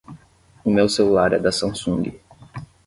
O meu celular é da Samsung.